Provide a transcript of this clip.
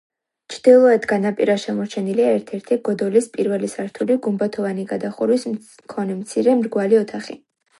ჩრდილოეთ განაპირას შემორჩენილია ერთ-ერტი გოდოლის პირველი სართული, გუმბათოვანი გადახურვის მქონე მცირე, მრგვალი ოთახი.